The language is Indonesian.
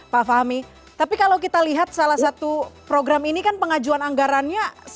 pak fahmi tapi kalau kita lihat salah satu program ini kan pengajuan anggarannya